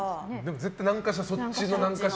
絶対、何かしらそっちのね。